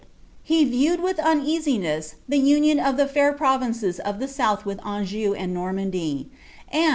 He viewed with uneasineas, the union of ths ['["vuife* of the souUi with Anjou and Normandy ; and.